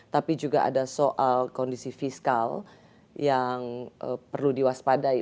tapi juga ada soal kondisi fiskal yang perlu diwaspadai